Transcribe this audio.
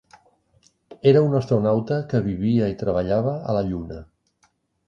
Era un astronauta que vivia i treballava a la Lluna.